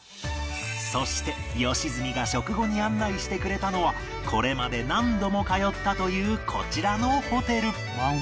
そして良純が食後に案内してくれたのはこれまで何度も通ったというこちらのホテル